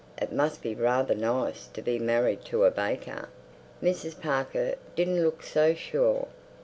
"It must be rather nice to be married to a baker!" Mrs. Parker didn't look so sure.